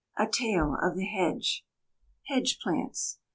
A TALE OF THE HEDGE. HEDGE PLANTS.